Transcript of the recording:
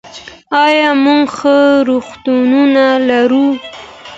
آیا موږ ښه روغتونونه لرو؟